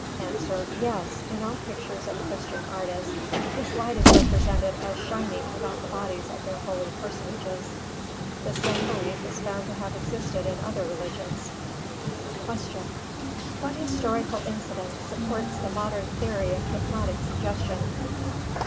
_ A. Yes, in all pictures of Christian artists this light is represented as shining about the bodies of their holy personages. The same belief is found to have existed in other religions. 349. Q. _What historical incident supports the modern theory of hypnotic suggestion?